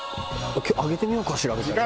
あげてみようかしらみたいな。